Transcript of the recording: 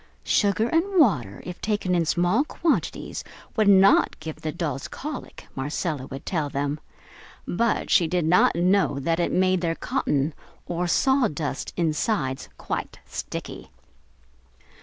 Sugar and water, if taken in small quantities, would not give the dolls colic, Marcella would tell them, but she did not know that it made their cotton, or sawdust insides, quite sticky.